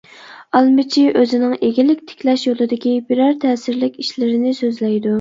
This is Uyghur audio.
ئالمىچى ئۆزىنىڭ ئىگىلىك تىكلەش يولىدىكى بىرەر تەسىرلىك ئىشلىرىنى سۆزلەيدۇ.